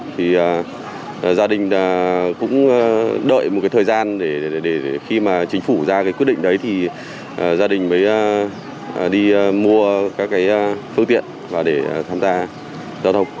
thì gia đình cũng đợi một cái thời gian để khi mà chính phủ ra cái quyết định đấy thì gia đình mới đi mua các cái phương tiện và để tham gia giao thông